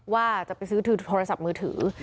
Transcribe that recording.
ว่าจะไปซื้อโทรศัพท์มือถือ